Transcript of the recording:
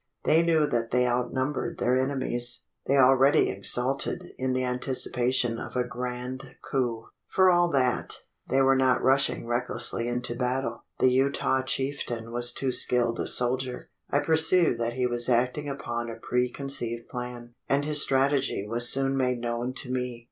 They knew that they outnumbered their enemies. They already exulted in the anticipation of a grand coup. For all that, they were not rushing recklessly into battle. The Utah chieftain was too skilled a soldier. I perceived that he was acting upon a preconceived plan; and his strategy was soon made known to me.